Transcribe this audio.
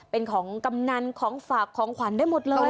เป็นของกำนันของฝากของขวัญได้หมดเลย